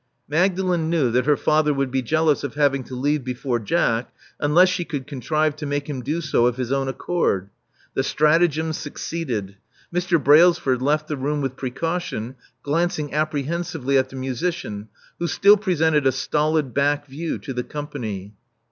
Magdalen knew that her father would be jealous of having to leave before Jack unless she could contrive to make him do so of his own accord. The stratagem suc ceeded. Mr. Brailsford left the room with precaution, glancing apprehensively at the musician, who still presented a stolid back view to the company.